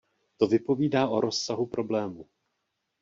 To vypovídá o rozsahu problému.